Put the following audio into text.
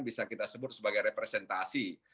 bisa kita sebut sebagai representasi